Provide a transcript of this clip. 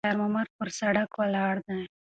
خیر محمد پر سړک ولاړ دی.